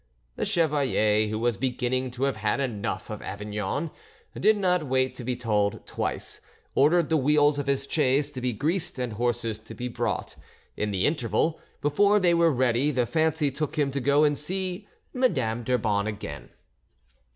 The chevalier, who was beginning to have had enough of Avignon, did not wait to be told twice, ordered the wheels of his chaise to be greased and horses to be brought. In the interval before they were ready the fancy took him to go and see Madame d'Urban again.